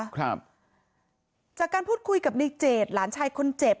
ครับจากการพูดคุยกับในเจดหลานชายคนเจ็บ